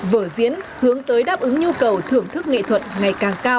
vở diễn hướng tới đáp ứng nhu cầu thưởng thức nghệ thuật ngày càng cao của đông đảo khán giả